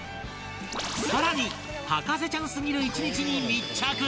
更に博士ちゃんすぎる１日に密着